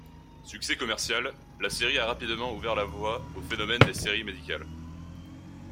Succès commercial, la série a rapidement ouvert la voie au phénomène des séries médicales.